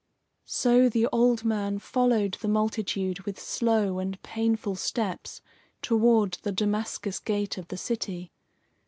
So the old man followed the multitude with slow and painful steps toward the Damascus gate of the city.